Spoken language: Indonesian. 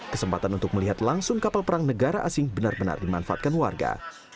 kesempatan untuk melihat langsung kapal perang negara asing benar benar dimanfaatkan warga